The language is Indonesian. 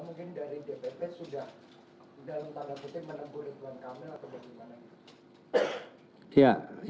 atau mungkin dari dpp sudah dalam tangga putih menempuhi tuan kami atau bagaimana